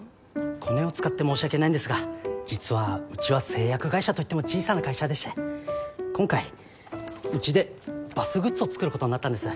コネを使って申し訳ないんですが実はうちは製薬会社といっても小さな会社でして今回うちでバスグッズを作ることになったんです。